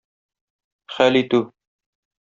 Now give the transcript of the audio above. Хәл итү